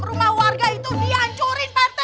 rumah warga itu dihancurin pak rt